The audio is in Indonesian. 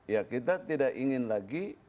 ya kita tidak ingin lagi